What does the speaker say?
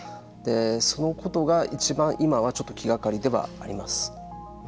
そのことが一番今はちょっと気がかりではあります。